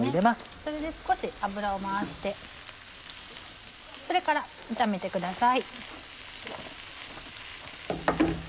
それで少し油を回してそれから炒めてください。